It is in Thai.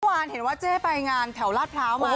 เห็นว่าเจ๊ไปงานแถวลาดพร้าวมา